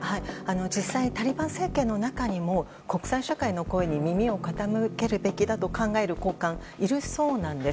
実際、タリバン政権の中にも国際社会の声に耳を傾けるべきだと考える高官は、いるそうなんです。